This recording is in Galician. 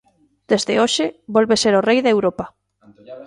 Desde hoxe, volve ser o rei de Europa.